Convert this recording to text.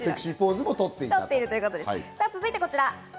続いてこちら。